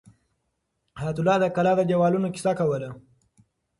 حیات الله د کلا د دیوالونو کیسه کوله.